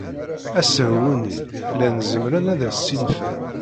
Asehwu-nni llan zemren ad as-ssinfen.